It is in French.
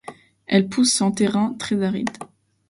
Elle pousse en terrain très aride.